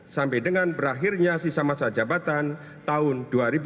sampai dengan berakhirnya sisa masa jabatan tahun dua ribu empat belas dua ribu sembilan belas